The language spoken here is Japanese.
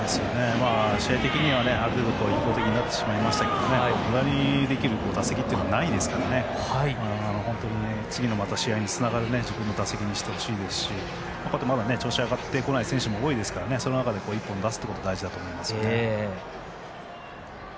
試合的にはある程度、一方的になってしまいましたけど本当に次のまた試合につながる自分の打席にしてほしいですしまだ調子が上がってこない選手も多いですから、その中で１本出すということが大事だと思います。